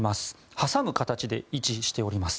挟む形で位置しております。